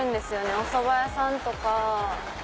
おそば屋さんとか。